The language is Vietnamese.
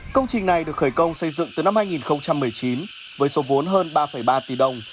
công trình này được khởi công xây dựng từ năm hai nghìn một mươi chín với số vốn hơn ba ba tỷ đồng